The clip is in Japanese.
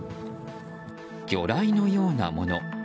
魚雷のようなもの。